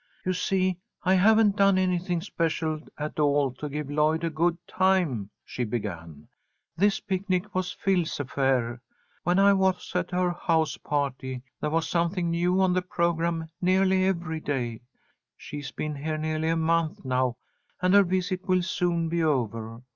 "You see, I haven't done anything special at all to give Lloyd a good time," she began. "This picnic was Phil's affair. When I was at her house party, there was something new on the programme nearly every day. She's been here nearly a month now, and her visit will soon be over.